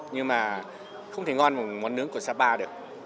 nhưng mà không thể ngon một món nướng của sapa được